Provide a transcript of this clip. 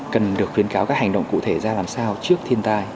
cần được khuyến cáo các hành động cụ thể ra làm sao trước thiên tai